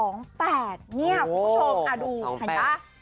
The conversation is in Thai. เนี่ยคุณผู้ชมอ่ะดูเห็นป่ะ